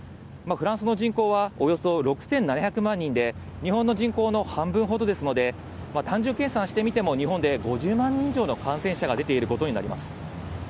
フランスの人口はおよそ６７００万人で、日本の人口の半分ほどですので、単純計算してみても、日本で５０万人以上の感染者が出ていることになります。